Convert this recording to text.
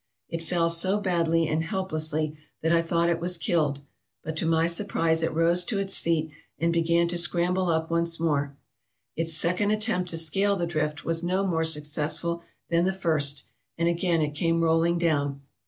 It fell so badly and help lessly that I thought it was killed, but to my surprise it rose to its feet and began to scramble up once more. Its second attempt to scale the drift was no more successful than the first, and again it came rolling down.